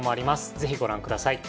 是非ご覧ください。